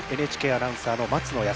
ＮＨＫアナウンサーの松野靖彦。